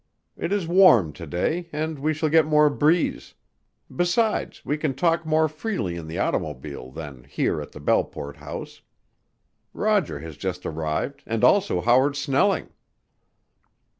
It is warm to day and we shall get more breeze; besides, we can talk more freely in the automobile than here or at the Belleport house. Roger has just arrived and also Howard Snelling."